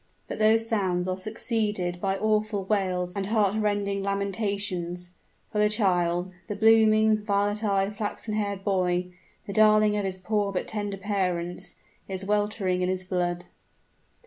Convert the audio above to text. But those sounds are succeeded by awful wails and heart rending lamentations: for the child the blooming, violet eyed, flaxen haired boy the darling of his poor but tender parents, is weltering in his blood!